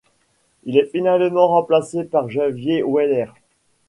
Il est finalement remplacé par Javier Weyler.